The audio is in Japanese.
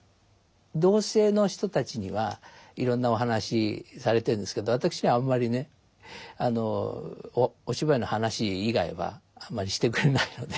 同性の人たちにはいろんなお話されてんですけど私にはあんまりねお芝居の話以外はあまりしてくれないので。